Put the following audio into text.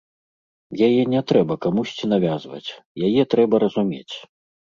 Яе не трэба камусьці навязваць, яе трэба разумець.